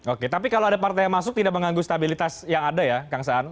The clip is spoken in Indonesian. oke tapi kalau ada partai yang masuk tidak mengganggu stabilitas yang ada ya kang saan